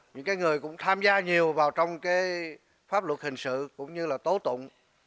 những người cũng tham gia nhiều vào trong pháp luật hình sự cũng như là tố tụng